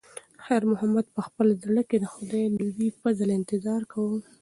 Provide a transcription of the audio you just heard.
خیر محمد په خپل زړه کې د خدای د لوی فضل انتظار کاوه.